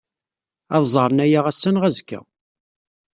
Ad ẓren aya ass-a neɣ azekka.